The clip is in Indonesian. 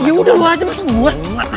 ya udah lu aja masuk gua nih